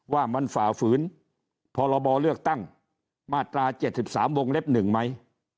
ว่ามันฝ่าฝืนพรบเลือกตั้งมาตรา๗๓วงเล็บ๑ไหม